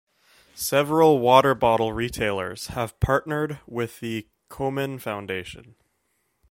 Several water bottle retailers have partnered with the Komen Foundation.